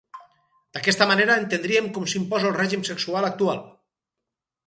D'aquesta manera entendríem com s'imposa el règim sexual actual.